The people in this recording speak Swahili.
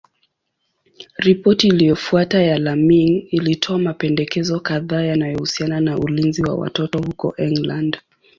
Ripoti iliyofuata ya Laming ilitoa mapendekezo kadhaa yanayohusiana na ulinzi wa watoto huko England.